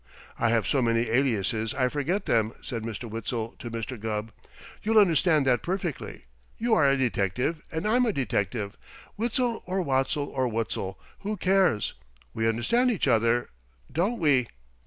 "I have so many aliases I forget them," said Mr. Witzel to Mr. Gubb. "You'll understand that perfectly. You are a detective, and I'm a detective, Witzel or Wotzel or Wutzel who cares? We understand each other. Don't we?"